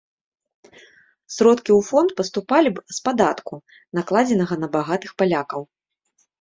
Сродкі ў фонд паступалі б з падатку, накладзенага на багатых палякаў.